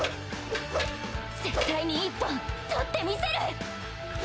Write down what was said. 絶対に一本取ってみせる！